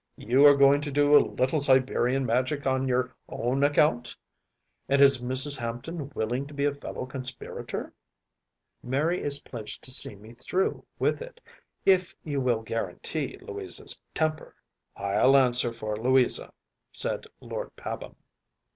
You are going to do a little Siberian Magic on your own account. And is Mrs. Hampton willing to be a fellow conspirator?‚ÄĚ “Mary is pledged to see me through with it, if you will guarantee Louisa’s temper.‚ÄĚ “I’ll answer for Louisa,‚ÄĚ said Lord Pabham.